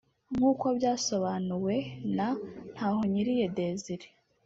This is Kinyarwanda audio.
nk’uko byasobanuwe na Ntahonkiriye Desire